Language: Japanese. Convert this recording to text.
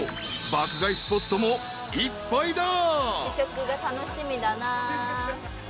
［爆買いスポットもいっぱいだ］